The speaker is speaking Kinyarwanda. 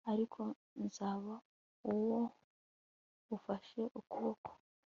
Ariko nzaba uwo ufashe ukuboko